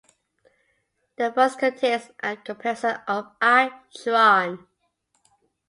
The first contains a comparison of I Chron.